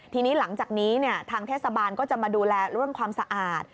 ทีนี้หลังจากนี้ทางเทศบาลก็จะมาดูแลเรื่องความสะอาด